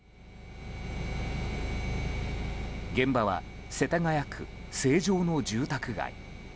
現場は世田谷区成城の住宅街。